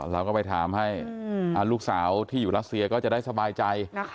เราก็ไปถามให้ลูกสาวที่อยู่รัสเซียก็จะได้สบายใจ